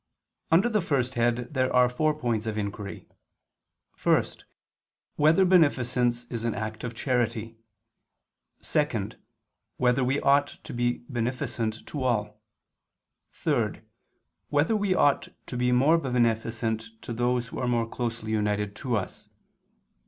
Under the first head there are four points of inquiry: (1) Whether beneficence is an act of charity? (2) Whether we ought to be beneficent to all? (3) Whether we ought to be more beneficent to those who are more closely united to us?